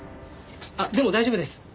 あっでも大丈夫です。